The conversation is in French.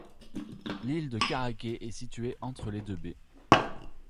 L'Île de Caraquet est située entre les deux baies.